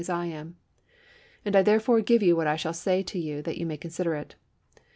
as I am ; and I therefore give you what I shall say so that you may consider it.